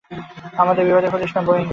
আমাদের বিপদে ফেলিস না বইন।